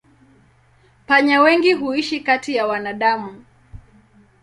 Panya wengi huishi kati ya wanadamu.